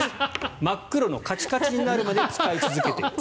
真っ黒のカチカチになるまで使い続けている。